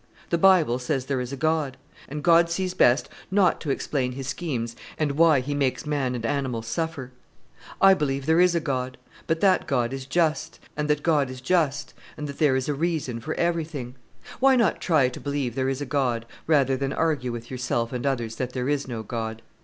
The Bible says there is a God; and God sees best not to explain His schemes and why He makes man and animals suffer. I believe there is a God, and that God is just, and that there is a reason for everything. Why not try to believe there is a God, rather than argue with yourself and others that there is no God?